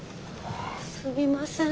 すみません。